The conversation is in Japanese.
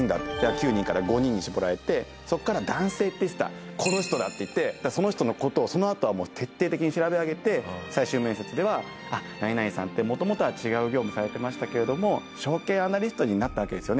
９人から５人に絞られてそこから「男性って言ってたこの人だ！」っていってその人の事をそのあとはもう徹底的に調べ上げて最終面接では「何々さんって元々は違う業務されてましたけれども証券アナリストになったわけですよね？